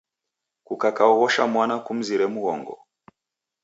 Kukakaoghosha mwana, kumzire mghongo.